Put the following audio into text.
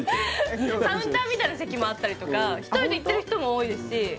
カウンターみたいな席もあったりとか１人で行ってる人も多いですし